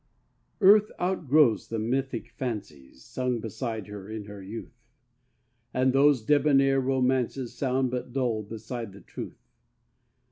ARTH outgrows the mythic fancies Sung beside her in her youth ; And those debonair romances Sound but dull beside the truth.